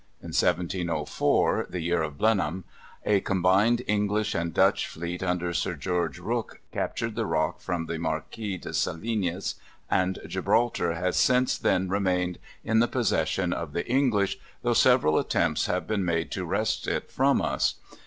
In 1704, the year of Blenheim, a combined English and Dutch fleet under Sir George Rooke captured the Rock from the Marquis de Salines, and Gibraltar has since then remained in the possession of the English, though several attempts have been made to wrest it from us.